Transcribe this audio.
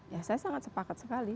ya saya sangat sepakat sekali